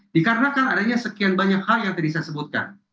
dikarenakan adanya sekian banyak hal yang tadi saya sebutkan